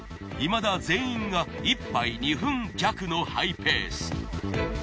いまだ全員が１杯２分弱のハイペース。